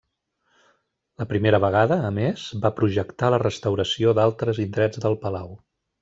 La primera vegada, a més, va projectar la restauració d'altres indrets del palau.